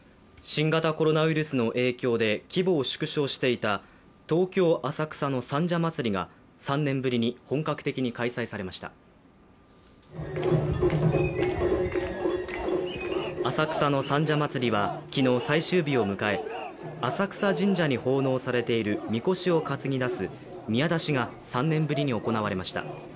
新型コロナウイルスの影響で規模を縮小していた東京・浅草の三社祭が３年ぶりに本格的に開催されました浅草の三社祭は昨日、最終日を迎え浅草神社に奉納されているみこしを担ぎ出す宮出しが３年ぶりに行われました。